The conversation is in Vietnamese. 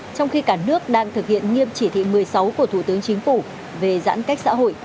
trong khi cả nước đang thực hiện nghiêm chỉ thị một mươi sáu của thủ tướng chính phủ về giãn cách xã hội